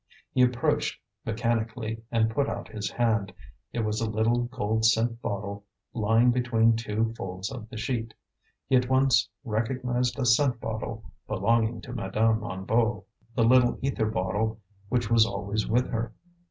He approached mechanically and put out his hand. It was a little gold scent bottle lying between two folds of the sheet. He at once recognized a scent bottle belonging to Madame Hennebeau, the little ether bottle which was always with her.